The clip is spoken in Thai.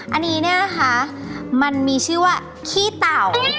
อันนี้เนี่ยนะคะมันมีชื่อว่าขี้เต่า